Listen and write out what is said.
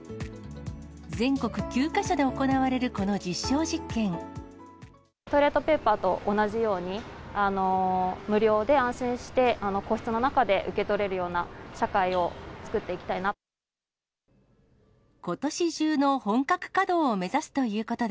全国９か所で行われるこの実トイレットペーパーと同じように、無料で安心して個室の中で受け取れるような社会をつくっていきたいなと。